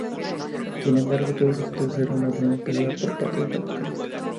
Sin embargo, todo resultó ser una broma pesada por parte del vocalista.